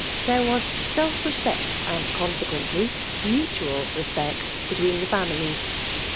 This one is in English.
There was self rcsqpect, and consequently, mutual respect between the*' families.